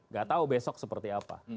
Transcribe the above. gak tahu besok seperti apa